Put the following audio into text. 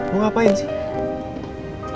mau ngapain sih